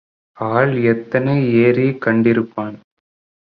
ஆள் எத்தனை ஏரி கண்டிருப்பான்.